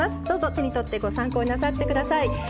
どうぞ手に取ってご参考になさってください。